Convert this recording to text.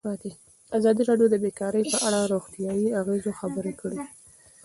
ازادي راډیو د بیکاري په اړه د روغتیایي اغېزو خبره کړې.